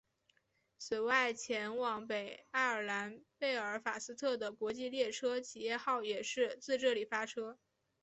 此外前往北爱尔兰贝尔法斯特的国际列车企业号也是自这里发车。